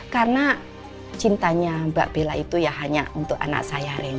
karena cintanya mbak bella itu ya hanya untuk anak saya randy gitu bu